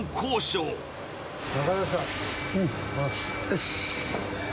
よし。